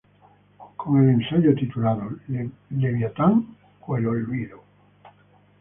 Con el ensayo, titulado ""¿Leviatán o el olvido?